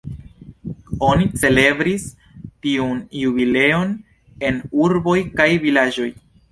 Oni celebris tiun jubileon en urboj kaj vilaĝoj.